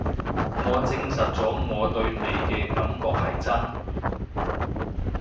我證實咗我對你嘅感覺係真